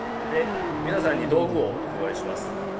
で皆さんに道具をお配りします。